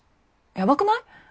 やばくない？